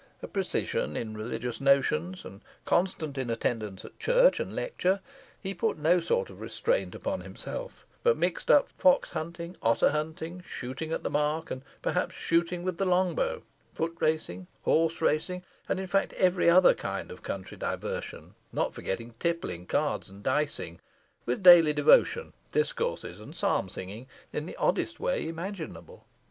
A precisian in religious notions, and constant in attendance at church and lecture, he put no sort of restraint upon himself, but mixed up fox hunting, otter hunting, shooting at the mark, and perhaps shooting with the long bow, foot racing, horse racing, and, in fact, every other kind of country diversion, not forgetting tippling, cards, and dicing, with daily devotion, discourses, and psalm singing in the oddest way imaginable.